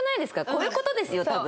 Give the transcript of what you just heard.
こういう事ですよ多分。